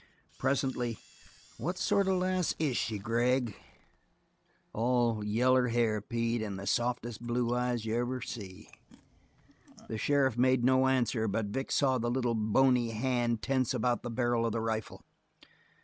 Presently: "What sort of a lass is she, Gregg?" "All yaller hair, Pete, and the softes' blue eyes you ever see." The sheriff made no answer, but Vic saw the little bony hand tense about the barrel of the rifle.